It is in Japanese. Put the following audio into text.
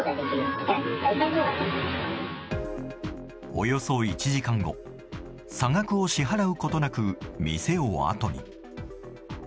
およそ１時間後、差額を支払うことなく、店をあとに。